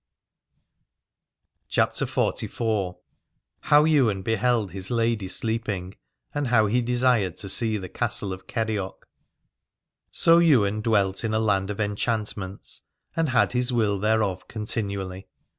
278 CHAPTER XLIV. HOW YWAIN BEHELD HIS LADY SLEEPING, AND HOW HE DESIRED TO SEE THE CASTLE OF KERIOC. So Ywain dwelt in a land of enchantments, and had his will thereof continually.